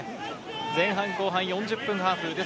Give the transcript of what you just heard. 前半後半４０分ハーフ。